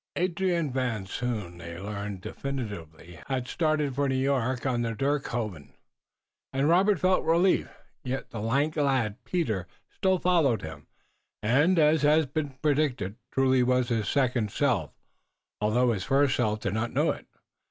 Adrian Van Zoon, they learned definitely, had started for New York on the Dirkhoeven, and Robert felt relief. Yet the lank lad, Peter, still followed him, and, as had been predicted truly, was his second self, although his first self did not know it.